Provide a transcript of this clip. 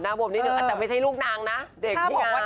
อ๋อหน้าบวมนิดนึงแต่ไม่ใช่ลูกนางนะเด็กที่งาน